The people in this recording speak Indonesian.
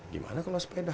gimana kalau sepeda